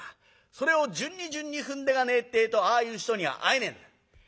それを順に順に踏んでいかねえってえとああいう人には会えねえんだ。